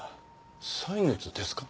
歳月ですか？